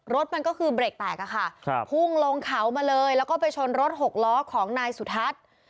รถมันก็คือเบรกแตกอะค่ะพุ่งลงเขามาเลยแล้วก็ไปชนรถหกล้อของนายสุทัศน์